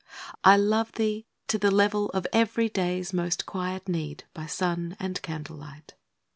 I love thee to the level of every day's Most quiet need, by sun and candlelight.